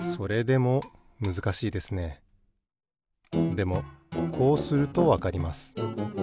でもこうするとわかります。